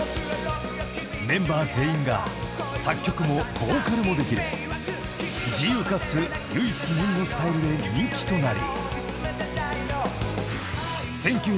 ［メンバー全員が作曲もボーカルもできる自由かつ唯一無二のスタイルで人気となり］